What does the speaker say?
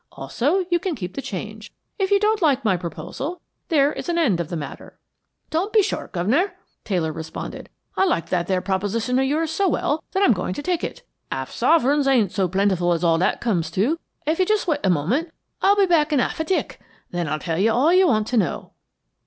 Also, you can keep the change. If you don't like my proposal, there is an end of the matter." "Don't be short, guv'nor," Taylor responded. "I like that there proposition of yours so well that I'm going to take it; 'alf sovereigns ain't so plentiful as all that comes to. If you just wait a moment, I'll be back in 'alf a tick. Then I'll tell you all you want to know."